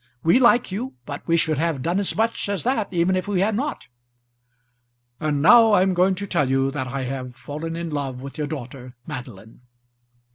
We like you, but we should have done as much as that even if we had not." "And now I'm going to tell you that I have fallen in love with your daughter Madeline."